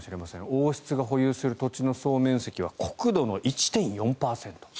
王室が保有する土地の総面積は国土の１．４％。